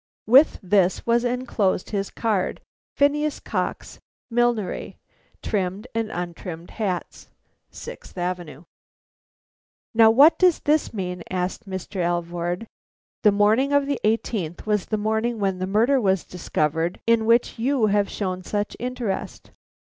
With this was enclosed his card: PHINEAS COX, Millinery, Trimmed and Untrimmed Hats, Sixth Avenue. "Now, what does this mean?" asked Mr. Alvord. "The morning of the eighteenth was the morning when the murder was discovered in which you have shown such interest."